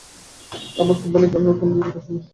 আমার কোম্পানির কারণে কারো কোন বিপদহবে না।